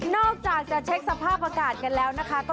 อกจากจะเช็คสภาพอากาศกันแล้วนะคะ